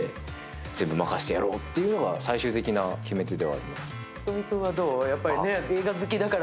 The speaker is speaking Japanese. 全部任せてやろうというのが最終的な決め手ではあります。